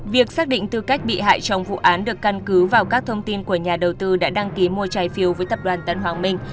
việc xác định tư cách bị hại trong vụ án được căn cứ vào các thông tin của nhà đầu tư đã đăng ký mua trái phiếu với tập đoàn tân hoàng minh